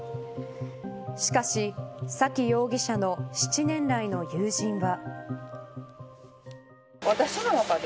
しかし、沙喜容疑者の７年来の友人は。